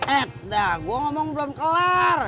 eh dah gue ngomong belum kelar